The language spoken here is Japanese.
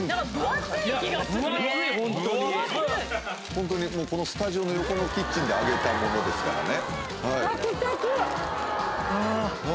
ホントにスタジオの横のキッチンで揚げたものですからね。